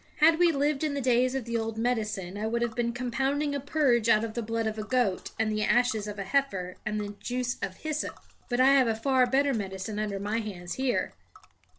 Had we lived in the days of the old medicine, I would have been compounding a purge out of the blood of a goat, and the ashes of an heifer, and the juice of hyssop. But I have a far better medicine under my hands here.